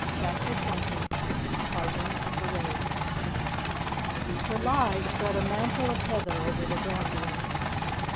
CHAPTER XX THE PARTING OF THE WAYS JULY spread a mantle of heather over the Grampians.